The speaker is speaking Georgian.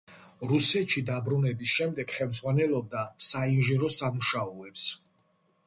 რუსეთში დაბრუნების შემდეგ ხელმძღვანელობდა საინჟინრო სამუშაოებს.